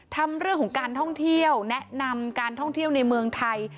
ทำเรื่องของการท่องเที่ยวแนะนำการท่องเที่ยวในเมืองไทย